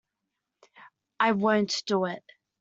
I won't do it.